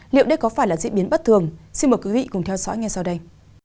liệu đây có phải là diễn biến bất thường xin mời quý vị cùng theo dõi ngay sau đây